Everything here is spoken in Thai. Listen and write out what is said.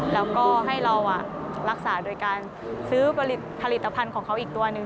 แล้วก็ให้เรารักษาโดยการซื้อผลิตภัณฑ์ของเขาอีกตัวหนึ่ง